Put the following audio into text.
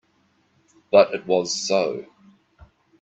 But it was so.